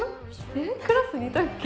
えっクラスにいたっけ？